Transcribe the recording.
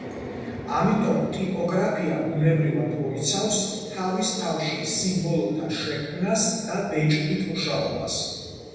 ამიტომ ტიპოგრაფია ბუნებრივად მოიცავს თავის თავში სიმბოლოთა შექმნას და ბეჭდვით მუშაობას.